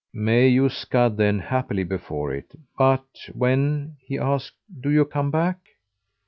"May you scud then happily before it! But when," he asked, "do you come back?"